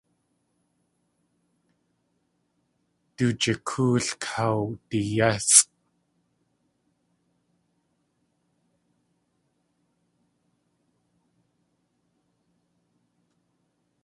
Du jikóol kawdiyésʼ.